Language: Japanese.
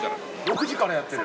６時からやってる。